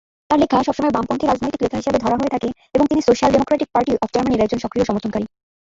তার লেখা সবসময় বামপন্থী রাজনৈতিক লেখা হিসেবে ধরা হয়ে থাকে এবং তিনি সোশ্যাল ডেমোক্রেটিক পার্টি অফ জার্মানির একজন সক্রিয় সমর্থনকারী।